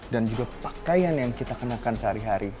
dan juga pakaian yang kita kenakan sehari hari